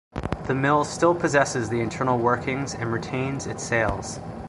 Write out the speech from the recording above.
The mill still possesses the internal workings and retains its sails.